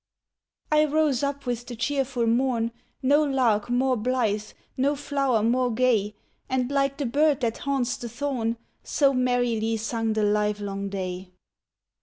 "I rose up with the cheerful morn, No lark more blithe, no flower more gay And like the bird that haunts the thorn, So merrily sung the livelong day.